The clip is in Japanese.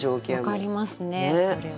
分かりますねこれは。